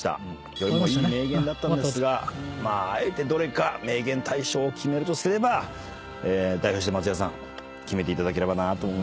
どれもいい名言だったんですがあえてどれか名言大賞を決めるとすれば代表して松也さん決めていただければなと。